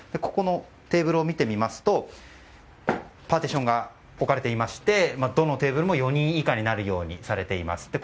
ここのテーブルを見てみますとパーティションが置かれていましてどのテーブルも４人以下になるようにされています。